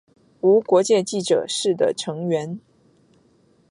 无国界记者是的成员。